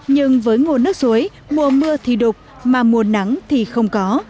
nhưng với nguồn nước suối mùa mưa thì đục mà mùa nắng thì không có